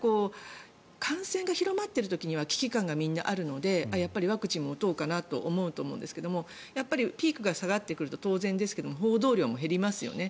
感染が広まっている時には危機感が、みんなあるのでやっぱりワクチンも打とうかなと思うと思うんですがやっぱりピークが下がってくると当然ですけど報道も減りますよね。